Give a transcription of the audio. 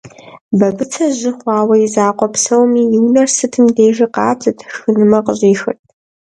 Бабыцэ жьы хъуауэ и закъуэу псэуми, и унэр сытым дежи къабзэт, шхынымэ къыщӏихырт.